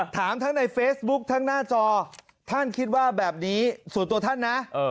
ถามทั้งในเฟซบุ๊คทั้งหน้าจอท่านคิดว่าแบบนี้ส่วนตัวท่านนะ